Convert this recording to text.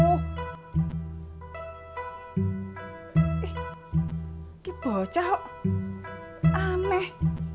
eh ini bocah aneh